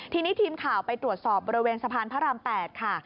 ทีนี้ทีมข่าวไปตรวจสอบบริเวณสะพานพระราม๘ค่ะ